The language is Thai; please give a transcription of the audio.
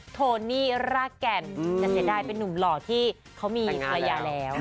โทนี่รากแก่นแต่เสียดายเป็นนุ่มหล่อที่เขามีภรรยาแล้ว